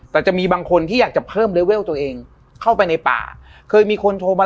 แต่จะมีบางคนที่อยากจะเพิ่มเลเวลตัวเองเข้าไปในป่าเคยมีคนโทรมา